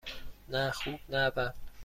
نه خوب - نه بد.